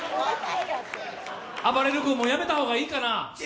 あばれる君もう、やめた方がいいかな？